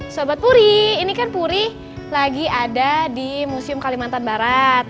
sobat puri ini kan puri lagi ada di museum kalimantan barat